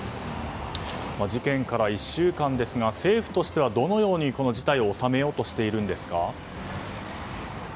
事件から１週間ですが政府としては、どのように事態を収めようとしているんですか？